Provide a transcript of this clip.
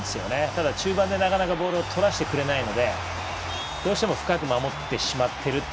ただ中盤でなかなかボールをとらせてくれないのでどうしても深く守っている。